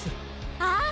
ああ！